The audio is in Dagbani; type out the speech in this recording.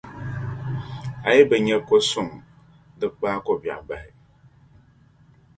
A yi bi nya ko’ suŋ di kpaai ko’ biɛɣu bahi.